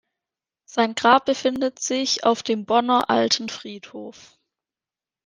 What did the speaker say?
Sein Grab befindet sich auf dem Bonner Alten Friedhof.